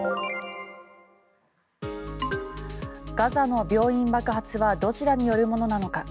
ガザの病院爆発はどちらによるものなのか。